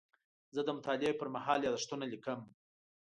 زه د مطالعې پر مهال یادښتونه لیکم.